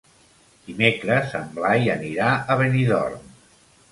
Dimecres en Blai anirà a Benidorm.